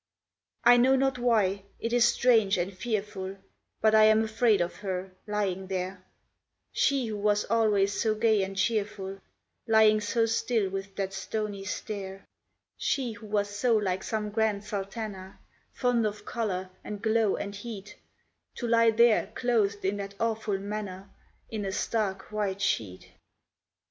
I know not why it is strange and fearful, But I am afraid of her, lying there; She who was always so gay and cheerful, Lying so still with that stony stare: She who was so like some grand sultana, Fond of colour and glow and heat, To lie there clothed in that awful manner In a stark white sheet.